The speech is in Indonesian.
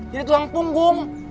jadi tulang punggung